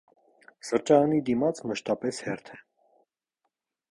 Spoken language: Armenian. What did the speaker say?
Սրճարանի դիմաց մշտապես հերթ է։